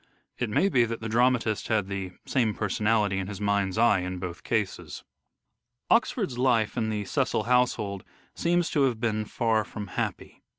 It may be that the dramatist had the same personality in his mind's eye in both cases. Relationship Oxford's life in the Cecil household seems to have been far from happy.